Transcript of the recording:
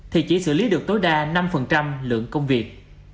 thì chỉ xử lý được tối đa năm lượng công việc